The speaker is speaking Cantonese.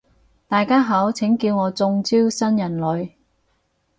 大家好，請叫我中招新人類